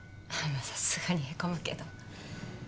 まあさすがにへこむけど。